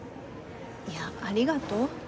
いやありがとう？